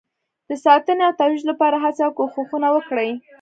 د ساتنې او ترویج لپاره هڅې او کوښښونه وکړئ